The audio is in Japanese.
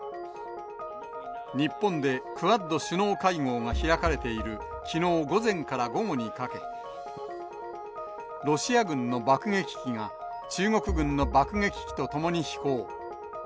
日本でクアッド首脳会合が開かれている、きのう午前から午後にかけ、ロシア軍の爆撃機が中国軍の爆撃と共に飛行。